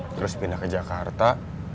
terus pindah ke jakarta